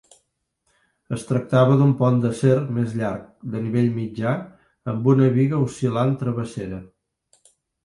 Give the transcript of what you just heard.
Es tractava d'un pont d'acer més llarg, de nivell mitjà, amb una biga oscil·lant travessera.